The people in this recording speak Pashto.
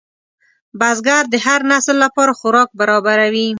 بزګر د هر نسل لپاره خوراک برابروي